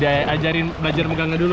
daya ajarin belajar megangnya dulu